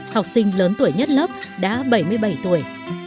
học sinh lớn tuổi nhất lớp đã bảy mươi bảy tuổi